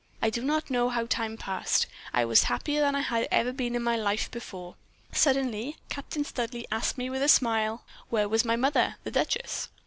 I do not know how time passed. I was happier than I had ever been in my life before. Suddenly Captain Studleigh asked me, with a smile, where was my mother, the duchess.